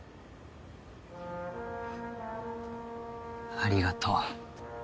ありがとう。